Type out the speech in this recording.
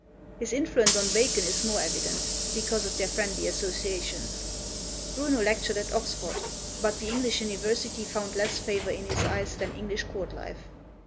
His influence on Bacon is more evident, because of their friendly associations. Bruno lectured at Oxford, but the English university found less favor in his eyes than English court life.